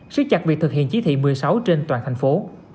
sức chặt việc thực hiện chí thị một mươi sáu trên toàn thành phố